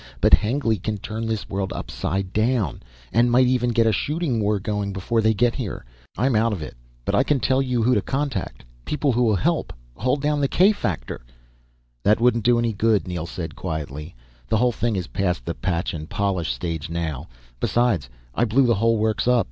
But Hengly can turn this world upside down and might even get a shooting war going before they get here. I'm out of it, but I can tell you who to contact, people who'll help. Hold the k factor down " "That wouldn't do any good," Neel said quietly. "The whole thing is past the patch and polish stage now. Besides I blew the whole works up.